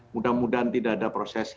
mudah mudahan tidak ada proses